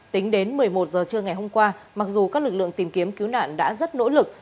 tính đến một mươi một giờ trưa ngày hôm qua mặc dù các lực lượng tìm kiếm cứu nạn đã rất nỗ lực